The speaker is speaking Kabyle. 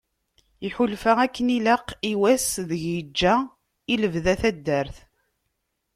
Iḥulfa akken ilaq i wass deg yeğğa i lebda taddart.